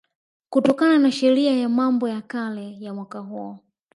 kutokana na Sheria ya Mambo ya Kale ya mwaka huo